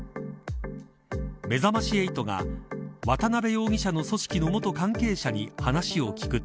めざまし８が渡辺容疑者の組織の元関係者に話を聞くと。